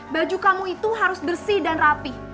baju kamu itu harus bersih dan rapi